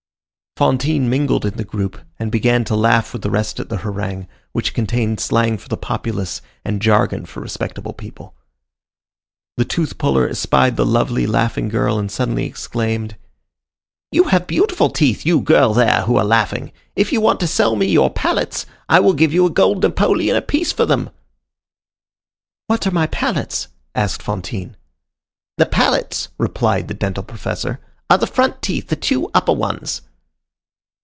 Fantine mingled in the group, and began to laugh with the rest at the harangue, which contained slang for the populace and jargon for respectable people. The tooth puller espied the lovely, laughing girl, and suddenly exclaimed: "You have beautiful teeth, you girl there, who are laughing; if you want to sell me your palettes, I will give you a gold napoleon apiece for them." "What are my palettes?" asked Fantine. "The palettes," replied the dental professor, "are the front teeth, the two upper ones."